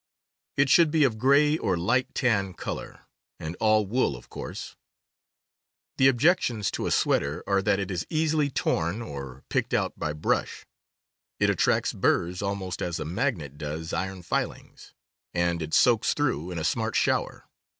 It should be of gray or light tan color, and all wool of course. The objections to a sweater are that it is easily torn or picked out by brush, it attracts burs almost as a magnet does iron filings, and it soaks 14 CAMPING AND WOODCRAFT through in a smart shower.